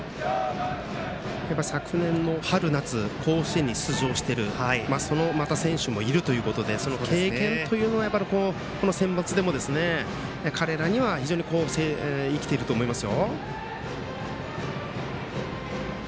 昨年の春夏甲子園に出場しているその選手もいるということでその経験というのはこのセンバツでも彼らには生きていると思います。